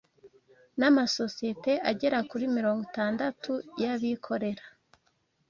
n’amasosiyete agera kuri mirongo itandatu y’abikorera